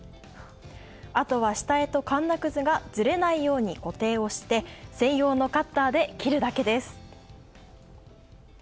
あとは下絵とカンナ屑がずれないように固定をして、専用のカッターで切るだけです。